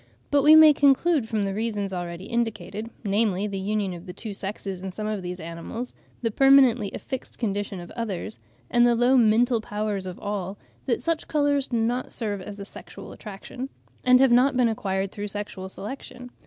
but we may conclude from the reasons already indicated, namely, the union of the two sexes in some of these animals, the permanently affixed condition of others, and the low mental powers of all, that such colours do not serve as a sexual attraction, and have not been acquired through sexual selection.